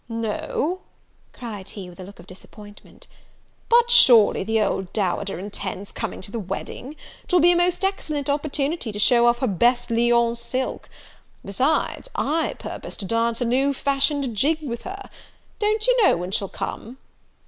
"No!" cried he, with a look of disappointment; "but surely the old dowager intends coming to the wedding! 'twill be a most excellent opportunity to show off her best Lyons silk. Besides, I purpose to dance a new fashioned jig with her. Don't you know when she'll come?"